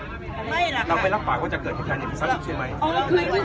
แล้วไม่รับปากจะเกิดเหตุการณ์